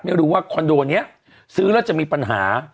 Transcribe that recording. ไม่รู้ว่าคอนโดนี้ซื้อแล้วจะมีปัญหา